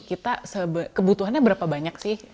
kita kebutuhannya berapa banyak sih